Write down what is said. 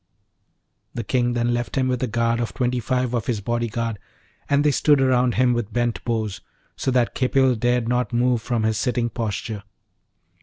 The King then left him with a guard of twenty five of his body guard; and they stood around him with bent bows, so that Khipil dared not move from his sitting posture.